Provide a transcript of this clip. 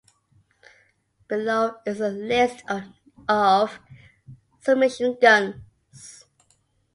Below is the list of submachine guns.